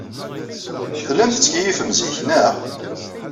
Tellam tettkeyyifem zik, naɣ?